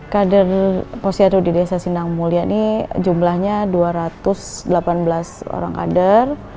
kader posyandu di desa sindang mulia ini jumlahnya dua ratus delapan belas orang kader